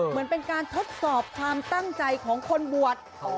เหมือนเป็นการทดสอบความตั้งใจของคนบวช